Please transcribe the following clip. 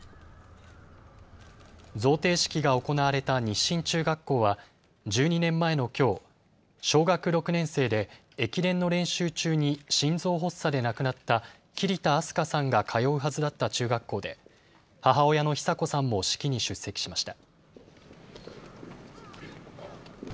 贈呈式が行われた日進中学校は１２年前のきょう、小学６年生で駅伝の練習中に心臓発作で亡くなった桐田明日香さんが通うはずだった中学校で母親の寿子さんも式に出席しました。